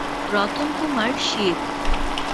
Ratan Kumar Shil